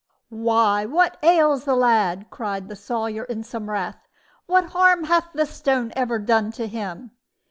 "Why, what ails the lad?" cried the Sawyer, in some wrath; "what harm hath the stone ever done to him?